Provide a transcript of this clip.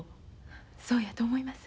そうやと思います。